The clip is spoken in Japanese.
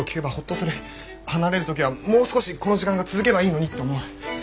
離れる時はもう少しこの時間が続けばいいのにと思う。